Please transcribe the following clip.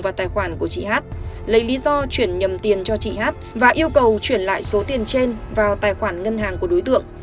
vào tài khoản của chị hát lấy lý do chuyển nhầm tiền cho chị hát và yêu cầu chuyển lại số tiền trên vào tài khoản ngân hàng của đối tượng